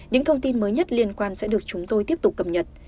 những thông tin mới nhất liên quan sẽ được chúng tôi tiếp tục cập nhật